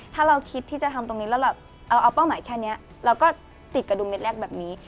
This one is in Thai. ถ้าเราคิดที่จะทำตรงนี้แล้วแบบเอาเป้าหมายแค่นี้เราก็ติดกระดุมเม็ดแรกแบบนี้